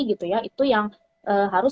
itu yang harus